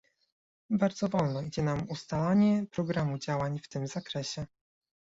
Bardzo wolno idzie nam ustalanie programu działań w tym zakresie